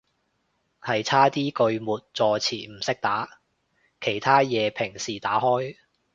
係差啲句末助詞唔識打，其他嘢平時打開